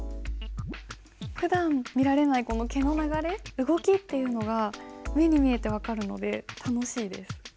ふだん見られないこの毛の流れ動きっていうのが目に見えて分かるので楽しいです。